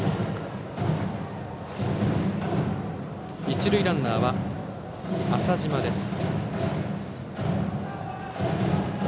一塁ランナーは浅嶋です。